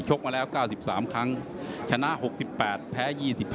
มาแล้ว๙๓ครั้งชนะ๖๘แพ้๒๕